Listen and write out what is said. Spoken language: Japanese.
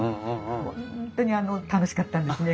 本当に楽しかったんですね。